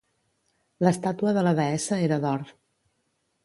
L'estàtua de la deessa era d'or.